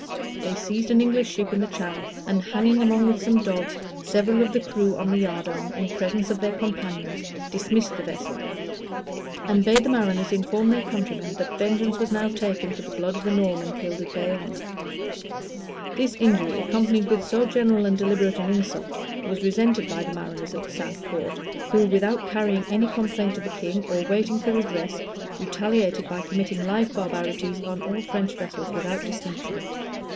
They seized an English ship in the channel; and hanging, along with some dogs, several of the crew on the yard arm, in presence of their companions, dismissed the vessel; [*] and bade the mariners inform their countrymen that vengeance was now taken for the blood of the Norman killed at Bayonne. This injury, accompanied with so general and deliberate an insult, was resented by the mariners of the cinque ports, who, without carrying any complaint to the king, or waiting for redress, retaliated by committing like barbarities on all French vessels without distinction.